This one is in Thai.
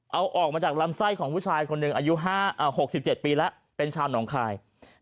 เอาออกมาจากลำไส้ของผู้ชายคนหนึ่งอายุ๖๗ปีแล้วเป็นชาวหนองคาย